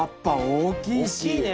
大きいね。